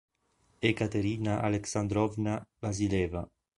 Ekaterina Aleksandrovna Vasil'eva